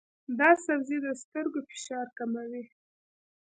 دا سبزی د سترګو فشار کموي.